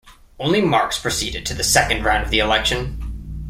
Only Marx proceeded to the second round of the election.